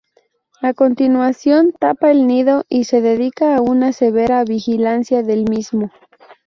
A continuación tapa el nido y se dedica a una severa vigilancia del mismo.